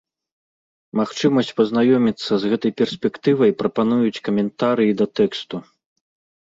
Магчымасць пазнаёміцца з гэтай перспектывай прапануюць каментарыі да тэксту.